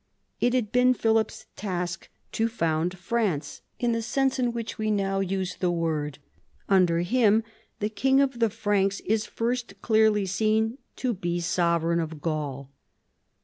It had been Philip's task to found France in the sense in which we now use the word. Under him the king of the Franks is first clearly seen to be sovereign of Gaul.